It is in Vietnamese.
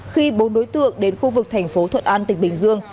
khi bốn đối tượng đến khu vực tp thuận an tỉnh bình dương